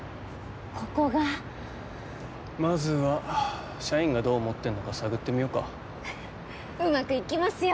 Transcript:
ここがまずは社員がどう思ってんのか探ってみようかうまくいきますよ！